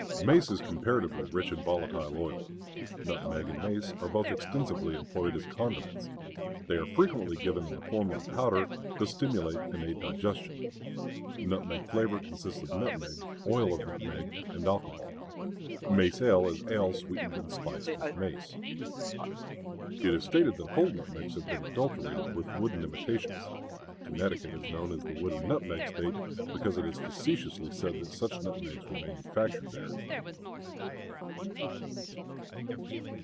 Mace is comparatively rich in volatile oil. Nutmeg and mace are both extensively employed as condiments. They are frequently given in the form of a powder to stimulate and aid digestion. Nutmeg flavor consists of nutmeg, oil of nutmeg, and alcohol. Mace ale is ale sweetened and spiced with mace. It is stated that whole nutmegs have been adulterated with wooden imitations. Connecticut is known as the Wooden Nutmeg State because it is facetiously said that such nutmegs were manufactured there.